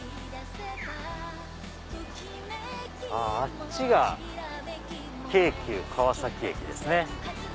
あっちが京急川崎駅ですね。